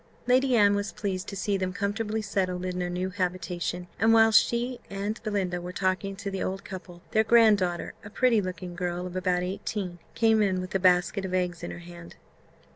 Lady Anne was pleased to see them comfortably settled in their new habitation; and whilst she and Belinda were talking to the old couple, their grand daughter, a pretty looking girl of about eighteen, came in with a basket of eggs in her hand.